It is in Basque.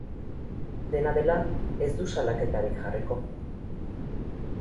Dena dela, ez du salaketarik jarriko.